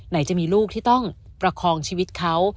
ไหนจะมีลูกที่ต้องประคองชีวิตเขา